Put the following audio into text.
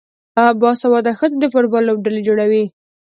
باسواده ښځې د فوټبال لوبډلې جوړوي.